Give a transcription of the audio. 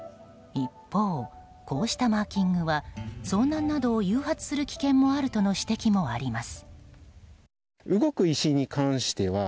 一方、こうしたマーキングは遭難などを誘発する危険もあるとの指摘もあります。